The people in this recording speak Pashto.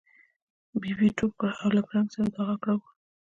ببۍ ټوپ کړه او له کړنګ سره دا غږ را ووت.